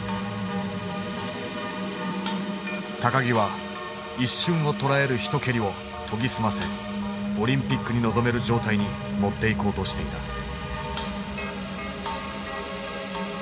木は一瞬をとらえる一蹴りを研ぎ澄ませオリンピックに臨める状態に持っていこうとしていた。